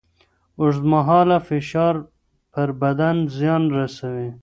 اوږدمهاله فشار پر بدن زیان رسوي.